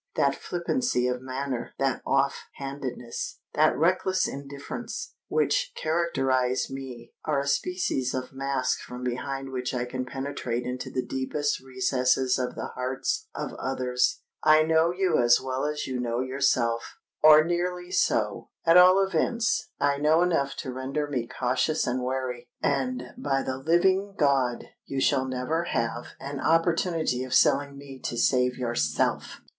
That flippancy of manner—that off handedness—that reckless indifference, which characterise me, are a species of mask from behind which I can penetrate into the deepest recesses of the hearts of others. I know you as well as you know yourself—or nearly so. At all events, I know enough to render me cautious and wary; and, by the living God! you shall never have an opportunity of selling me to save yourself!"